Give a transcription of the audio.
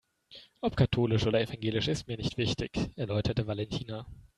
Ob katholisch oder evangelisch ist mir nicht wichtig, erläuterte Valentina.